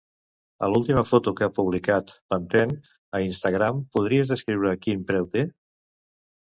A l'última foto que ha publicat Pantene a Instagram podries escriure "quin preu té"?